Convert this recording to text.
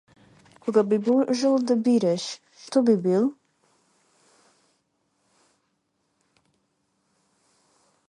Кога би можел да бираш, што би бил?